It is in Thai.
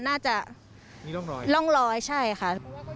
นี่ร่องร้อยร่องร้อยใช่ค่ะ